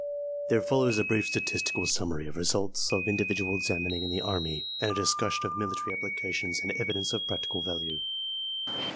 There follows a brief statistical summary of results of in dividual examining in the Army, and a discussion of military applications and evidences of practical value.